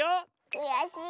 くやしい。